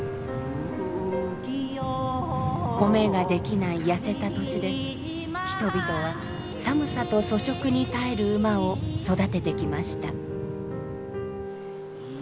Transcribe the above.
米ができない痩せた土地で人々は寒さと粗食に耐える馬を育ててきました。